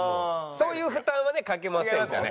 そういう負担はねかけませんから。